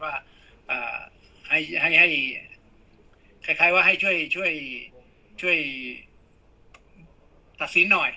ว่าอ่าให้ให้ให้คล้ายคล้ายว่าให้ช่วยช่วยช่วยตัดสินหน่อย